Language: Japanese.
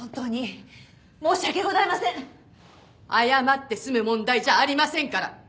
謝って済む問題じゃありませんから。